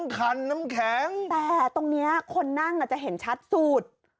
คันน้ำแข็งแต่ตรงนี้คนนั่งจะเห็นชัดสูตร